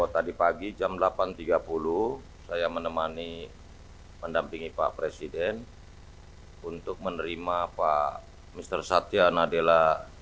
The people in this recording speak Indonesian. tadi pagi jam delapan tiga puluh saya menemani mendampingi pak presiden untuk menerima pak mr satya nadela